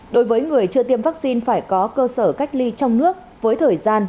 đối với người chưa tiêm vaccine phải có cơ sở cách ly trong nước với thời gian